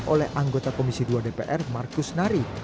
oleh anggota komisi dua dpr markus nari